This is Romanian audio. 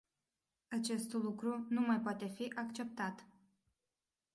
Acest nu lucru nu mai poate fi acceptat.